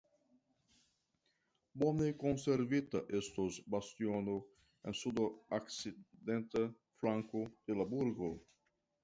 Bone konservita estas bastiono en sudokcidenta flanko de la burgo.